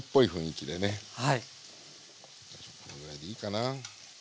このぐらいでいいかな。